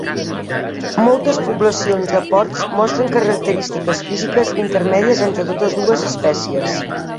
Moltes poblacions de porcs mostren característiques físiques intermèdies entre totes dues espècies.